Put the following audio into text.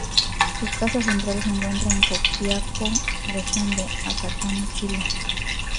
Su Casa Central se encuentra en Copiapó, Región de Atacama, Chile.